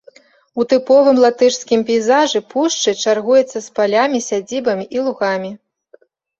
У тыповым латышскім пейзажы, пушчы чаргуецца з палямі, сядзібамі і лугамі.